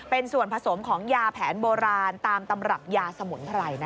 เป็นส่วนผสมของยาแผนโบราณตามตำรับยาสมุนไพร